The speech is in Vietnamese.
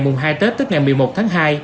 mùng hai tết tức ngày một mươi một tháng hai